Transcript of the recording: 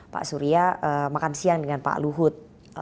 pak surya makan siang dengan pak luhut